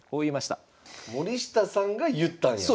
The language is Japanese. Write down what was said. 森下さんが言ったんや。